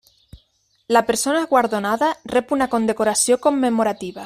La persona guardonada rep una condecoració commemorativa.